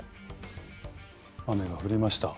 雨が降りました。